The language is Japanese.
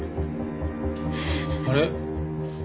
あれ？